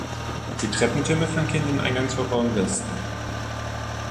Die Treppentürme flankieren den Eingangsvorbau im Westen.